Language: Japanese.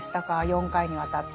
４回にわたって。